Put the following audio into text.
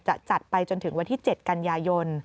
จะจัดไปจนถึงวันที่๗กันยายน